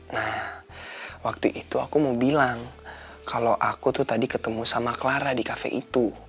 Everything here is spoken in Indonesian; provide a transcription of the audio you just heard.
nah waktu itu aku mau bilang kalau aku tuh tadi ketemu sama clara di kafe itu